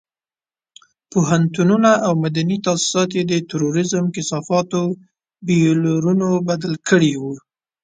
پوهنتونونه او مدني تاسيسات یې د تروريزم کثافاتو بيولرونو بدل کړي دي.